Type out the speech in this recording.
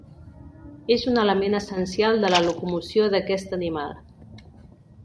És un element essencial de la locomoció d'aquest animal.